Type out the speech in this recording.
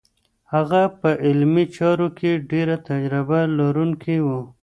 هغه په علمي چارو کې ډېر تجربه لرونکی و.